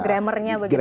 grammarnya begitu ya